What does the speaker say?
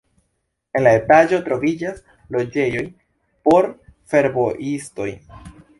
En la etaĝo troviĝas loĝejoj por fervojistoj.